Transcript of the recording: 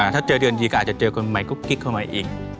ถ้าเจอเดือนดีก็เจอคนใหม่ก็ก็คลิกเขาใหม่อีก